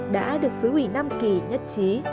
đã được sứ ủy năm kỳ nhất trí